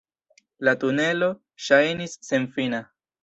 La tunelo ŝajnis senfina.